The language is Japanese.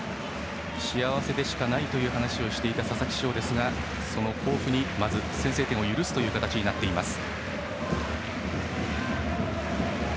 幸せでしかないという話をしていた佐々木翔ですがその甲府にまず先制点を許す形になっています。